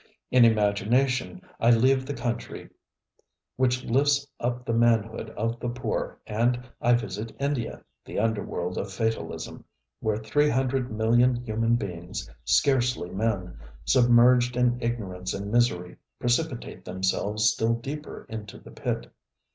In imagination I leave the country which lifts up the manhood of the poor and I visit India, the underworld of fatalism where three hundred million human beings, scarcely men, submerged in ignorance and misery, precipitate themselves still deeper into the pit.